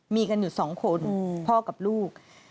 มีกันอยู่๒คนพ่อกับลูก